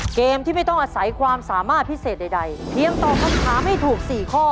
เกมที่ไม่ต้องอาศัยความสามารถพิเศษใดเพียงตอบคำถามให้ถูก๔ข้อ